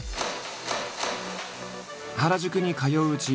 原宿に通ううち